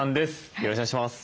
よろしくお願いします。